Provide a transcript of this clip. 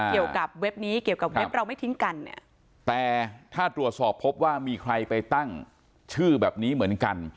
เว็บนี้เกี่ยวกับเว็บเราไม่ทิ้งกันเนี่ยแต่ถ้าตรวจสอบพบว่ามีใครไปตั้งชื่อแบบนี้เหมือนกัน